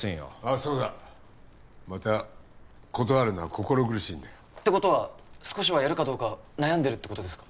そうだまた断るのは心苦しいんだよってことは少しはやるかどうか悩んでるってことですか？